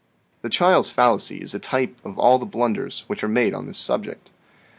* The child's fallacy is a type of all the blunders which are made on this subject.